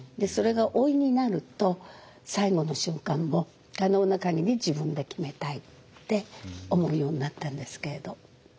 それが老いになると最後の瞬間も可能な限り自分で決めたいって思うようになったんですけれど。